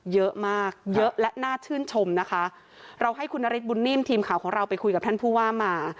เยอะมากเยอะและน่าชื่นชมนะคะเราให้คุณนฤทธบุญนิ่มทีมข่าวของเราไปคุยกับท่านผู้ว่ามา